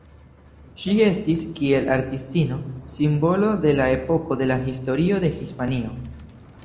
Ŝi estis, kiel artistino, simbolo de epoko de la historio de Hispanio.